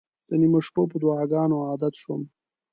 د نیمو شپو په دعاګانو عادت شوم.